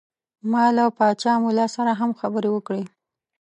ما له پاچا ملا سره هم خبرې وکړې.